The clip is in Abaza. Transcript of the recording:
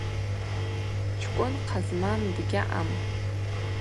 Чкӏвынхъа змам дгьаъам.